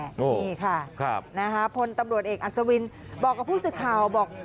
นี่ค่ะพลตำรวจเอกอัศวินบอกกับผู้สื่อข่าวบอก